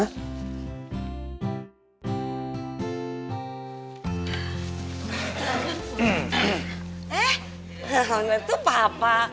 eh mana tuh papa